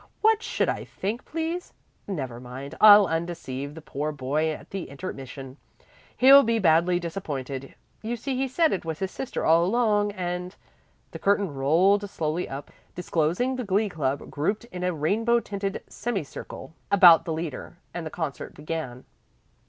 What should I think, please? Never mind; I'll undeceive the poor boy at the intermission. He'll be badly disappointed. You see, he said it was his sister all along, and " The curtain rolled slowly up, disclosing the Glee Club grouped in a rainbow tinted semicircle about the leader, and the concert began.